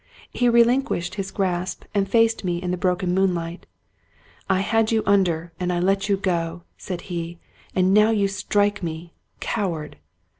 He relinquished his grasp, and faced me in the broken moonlight. " I had you under, and I let you go," said he ;" and now you strike me ! Coward